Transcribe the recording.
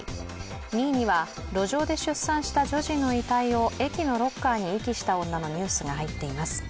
２位には路上で出産した女児の遺体を駅のロッカーに遺棄した女のニュースが入っています。